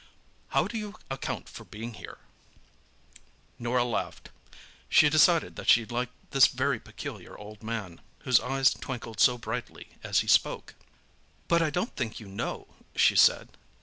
How do you account for being here?" Norah laughed. She decided that she liked this very peculiar old man, whose eyes twinkled so brightly as he spoke. "But I don't think you know," she said.